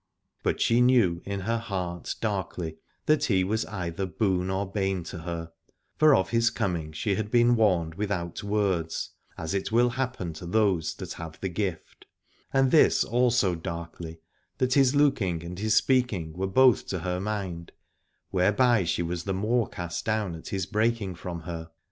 But she knew in her heart darkly that he was either boon or bane to her, for of his coming she had been warned without words, as it will hap 71 Alad ore pen to those that have the gift : and this also darkly, that his looking and his speak ing were both to her mind, whereby she was the more cast down at his breaking from her.